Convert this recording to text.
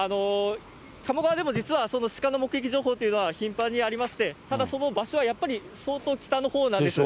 鴨川でも、実はしかの目撃情報というのは頻繁にありまして、ただ、その場所はやっぱり、相当北のほうなんです。